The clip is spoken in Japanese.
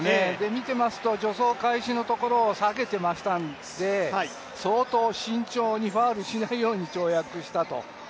見ていますと助走開始のところを下げていましたので相当慎重にファウルしないように跳躍したと。